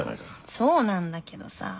そうなんだけどさ。